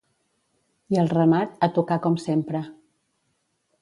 I al remat, a tocar com sempre.